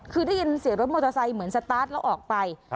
คือได้ยินเสียงรถมอเตอร์ไซค์เหมือนสตาร์ทแล้วออกไป